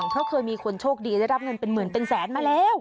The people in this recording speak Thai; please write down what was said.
เพราะเคยมีคนโชคดีได้รับเงินเป็นหมื่นเป็นแสนมาแล้ว